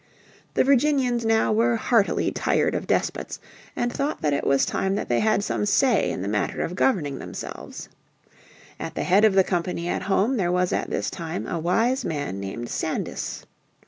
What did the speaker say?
The Virginians now were heartily tired of despots, and thought that it was time that they had some say in the matter of governing themselves. At the head of the company at home there was at this time a wise man named Sandys.